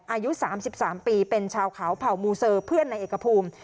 อายุ๓๓ปีเป็นชาวเขาเผ่ามูเซอร์เพื่อนในเอกภูมิ